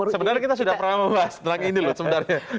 sebenarnya kita sudah pernah membahas tentang ini loh sebenarnya